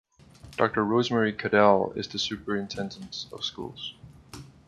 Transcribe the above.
Doctor Rosemary Caddell is the Superintendent of Schools.